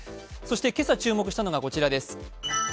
そして今朝注目したのがこちらです。